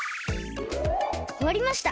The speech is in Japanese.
おわりました。